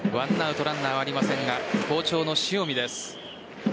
１アウトランナーはありませんが好調の塩見です。